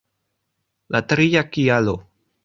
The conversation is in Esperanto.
La tria kialo!